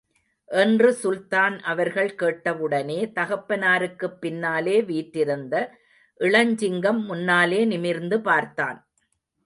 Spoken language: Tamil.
என்று சுல்தான் அவர்கள் கேட்டவுடனே, தகப்பனாருக்குப் பின்னாலே வீற்றிருந்த இளஞ்சிங்கம் முன்னாலே நிமிர்ந்து பார்த்தான்.